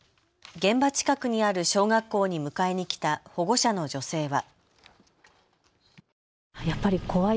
現場近くにある小学校に迎えに来た保護者の女性は。